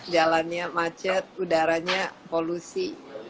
jalannya macet udaranya polusi